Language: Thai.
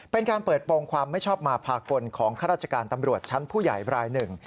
เป็นการเปิดโปรงความไม่ชอบมาพากลของข้าราชการตำรวจชั้นผู้ใหญ่รายหนึ่ง